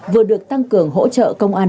vừa được tăng cường hỗ trợ công an